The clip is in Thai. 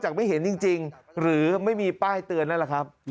ไม่เห็นจริงหรือไม่มีป้ายเตือนนั่นแหละครับ